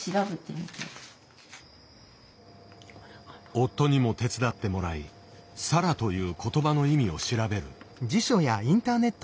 夫にも手伝ってもらい「さら」という言葉の意味を調べる。